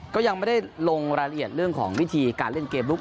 ก็ยังไม่ได้ลงรายละเอียดเรื่องของวิธีการเล่นเกมลุก